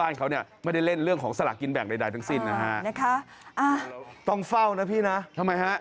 แบบใดทั้งสิ้นนะฮะนะคะต้องเฝ้านะพี่นะทำไมฮะ